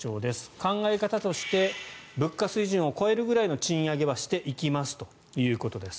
考え方として物価水準を超えるぐらいの賃上げはしていきますということです。